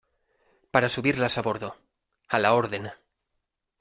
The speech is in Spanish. para subirlas a bordo. a la orden .